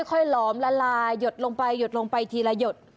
หลอมละลายหยดลงไปหยดลงไปทีละหยด